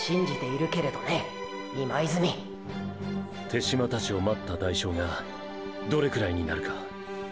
手嶋たちを待った代償がどれくらいになるか。